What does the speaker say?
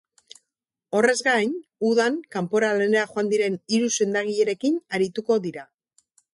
Horrez gain, udan kanpora lanera joan diren hiru sendagilerekin arituko dira.